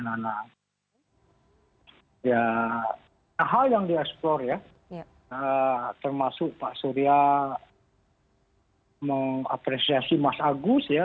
nah hal yang dieksplor ya termasuk pak surya mengapresiasi mas agus ya